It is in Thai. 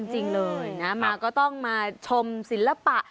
จริงเลยนะมาก็ต้องมาชมศิลปะ